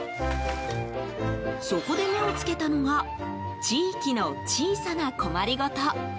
そこで、目を付けたのが地域の小さな困りごと。